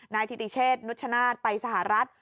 นายทิติเชษนุชชนาฏไปสหรัฐ